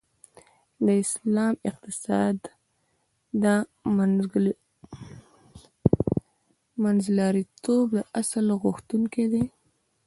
د اسلام اقتصاد د منځلاریتوب د اصل غوښتونکی دی .